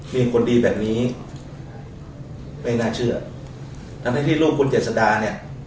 มีคนดีแบบนี้ไม่น่าเชื่อทั้งในที่รูปคุณเจษดาเนี่ย